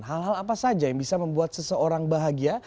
hal hal apa saja yang bisa membuat seseorang bahagia